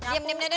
diam diam diam